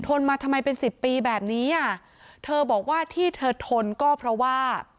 มาทำไมเป็นสิบปีแบบนี้อ่ะเธอบอกว่าที่เธอทนก็เพราะว่า